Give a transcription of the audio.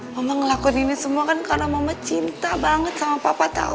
mama ngelakuin ini semua kan karena mama cinta banget sama papa tahu